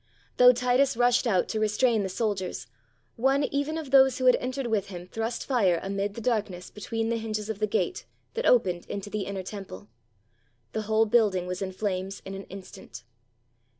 Though Titus rushed out to restrain the soldiers, one even of those who had entered with him thrust fire amid the darkness between the hinges of the gate that opened into the inner temple. The whole building was in flames in an instant.